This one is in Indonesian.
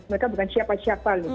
mereka bukan siapa siapa